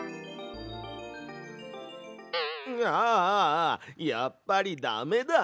ああやっぱりダメだ！